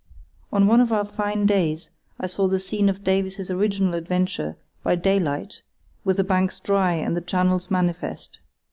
On one of our fine days I saw the scene of Davies's original adventure by daylight with the banks dry and the channels manifest.